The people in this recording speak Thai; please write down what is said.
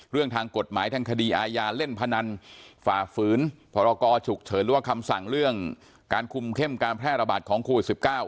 เรื่องทางกฎหมายทางคดีอาญาเล่นพนันฝ่าฝืนพรกรฉุกเฉินหรือว่าคำสั่งเรื่องการคุมเข้มการแพร่ระบาดของโควิด๑๙